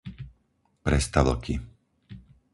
Prestavlky